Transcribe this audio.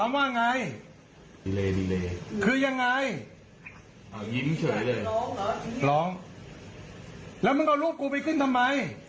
เอาดูดิดูคลิปมา